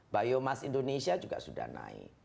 biomas indonesia juga sudah naik